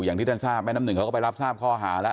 อย่างที่ท่านทราบแม่น้ำหนึ่งเขาก็ไปรับทราบข้อหาแล้ว